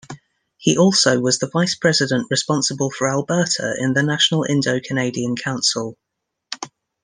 He also was the vice-president responsible for Alberta in the National Indo-Canadian Council.